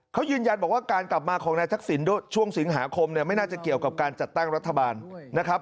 เขายืนยันบอกว่าการกลับมาของนายทักษิณช่วงสิงหาคมเนี่ยไม่น่าจะเกี่ยวกับการจัดตั้งรัฐบาลนะครับ